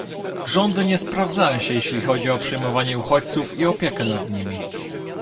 Rządy nie sprawdzają się jeśli chodzi o przyjmowanie uchodźców i opiekę nad nimi